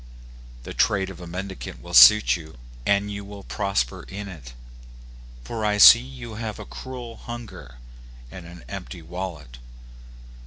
The trade of a mendicant will suit you, and you will prosper in it ; for I see you have a cruel hunger, and an empty wallet.